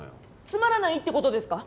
つまらないって事ですか？